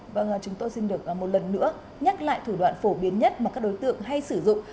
vâng chúng tôi xin được một lần nữa nhắc lại thủ đoạn phổ biến nhất mà các đối tượng hay sử dụng